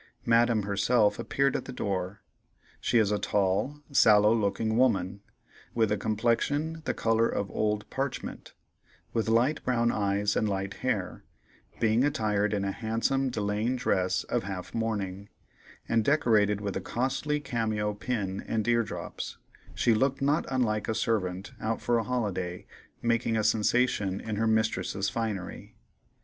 Madame herself appeared at the door. She is a tall, sallow looking woman, with a complexion the color of old parchment: with light brown eyes and light hair; being attired in a handsome delaine dress of half mourning, and decorated with a costly cameo pin and ear drops, she looked not unlike a servant out for a holiday, making a sensation in her mistress's finery.